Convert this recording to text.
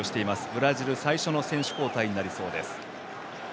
ブラジル最初の選手交代になりそうです。